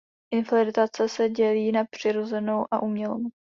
Infiltrace se dělí na přirozenou a umělou.